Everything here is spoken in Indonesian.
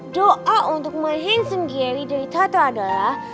doa untuk my handsome gary dari tata adalah